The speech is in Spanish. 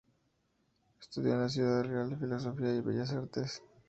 Estudió en Ciudad Real Filosofía y Bellas Artes.